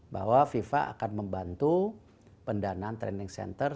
bahwa fifa akan membantu pendanaan training center